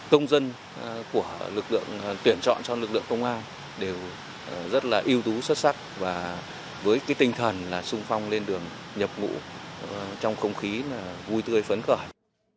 công dân của lực lượng tuyển chọn cho lực lượng công an đều rất là yếu tố xuất sắc và với tinh thần sung phong lên đường nhập ngũ trong không khí vui tươi phấn khởi